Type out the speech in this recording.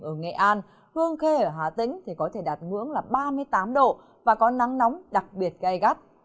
ở nghệ an hương khê ở hà tĩnh thì có thể đạt ngưỡng là ba mươi tám độ và có nắng nóng đặc biệt gai gắt